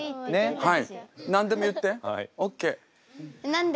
はい。